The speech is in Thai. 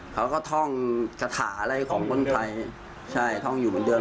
เขาก็ท่องคาถาอะไรของคนไทยใช่ท่องอยู่เหมือนเดิม